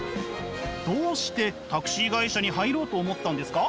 どうしてタクシー会社に入ろうと思ったんですか？